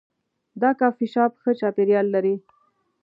دا کافي شاپ ښه چاپیریال لري.